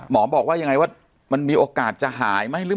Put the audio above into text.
หมอบอกว่ายังไงว่ามันมีโอกาสจะหายไหมหรือ